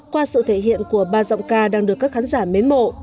qua sự thể hiện của ba giọng ca đang được các khán giả mến mộ